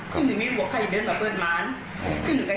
ก็มีข้างหลังขาขึ้นเลย